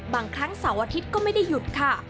บางครั้งเสาร์อาทิตย์ก็ไม่ได้หยุดค่ะ